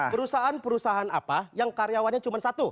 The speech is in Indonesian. perusahaan perusahaan apa yang karyawannya cuma satu